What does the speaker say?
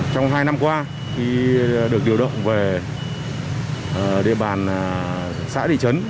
trong hai năm qua được điều động về địa bàn xã thị trấn